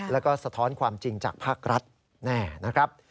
แล้วก็สะท้อนความจริงจากภาครัฐแน่นะครับ